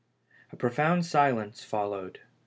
A profound silence followed.